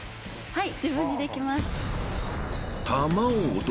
はい。